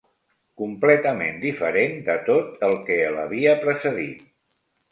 Completament diferent de tot el que l'havia precedit